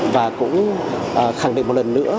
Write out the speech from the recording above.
và cũng khẳng định một lần nữa